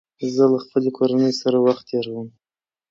زه له خپلې کورنۍ سره وخت تېروم